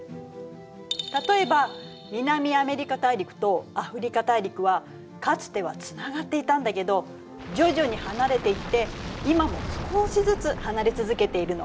例えば南アメリカ大陸とアフリカ大陸はかつてはつながっていたんだけど徐々に離れていって今も少しずつ離れ続けているの。